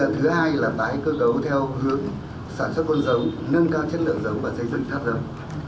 thứ hai là tái cơ cấu theo hướng sản xuất quân dầu nâng cao chất lượng dầu và giấy dựng tháp dầu